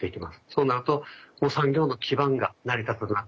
そうなると産業の基盤が成り立たなくなる。